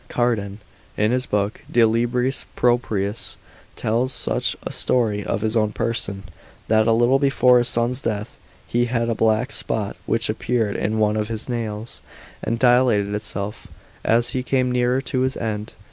Cardan, in his book de libris propriis, tells such a story of his own person, that a little before his son's death, he had a black spot, which appeared in one of his nails; and dilated itself as he came nearer to his end.